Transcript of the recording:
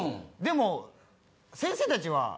でも先生たちは。